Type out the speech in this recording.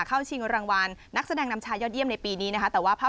ชิงรางวัลนักแสดงนำชายยอดเยี่ยมในปีนี้นะคะ